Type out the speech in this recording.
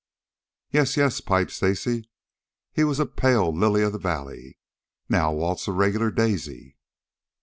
"Ye yes," piped Stacy. "He was a pale lily of the valley. Now Walt's a regular daisy."